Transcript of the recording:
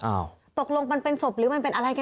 อ่าวตกลงมันเป็นสบหรือมันเป็นอะไรแน่